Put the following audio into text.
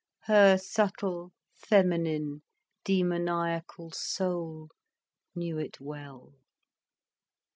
Her subtle, feminine, demoniacal soul knew it well.